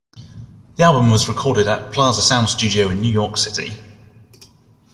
The album was recorded at Plaza Sound Studio in New York City.